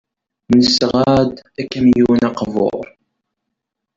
Nesɣa-d akamyun aqbur.